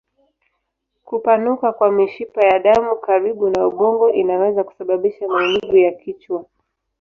Kupanuka kwa mishipa ya damu karibu na ubongo inaweza kusababisha maumivu ya kichwa.